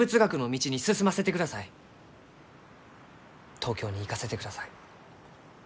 東京に行かせてください。